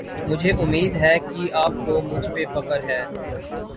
مجھے اُمّید ہے کی اپ کو مجھ پر فخر ہے۔